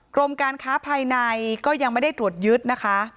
กรมการค้าภายในก็ยังไม่ได้ตรวจยึดนะคะ